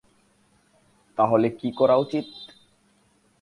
তাহলে কী করা উচিত?